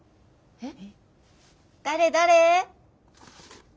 えっ。